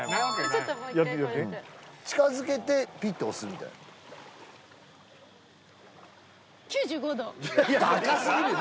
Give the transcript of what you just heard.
ちょっともう一回近づけてピッて押すみたい高すぎるよ！